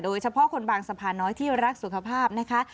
โดยเฉพาะคนบางสะพานน้อยที่รักสุขภาพนะคะ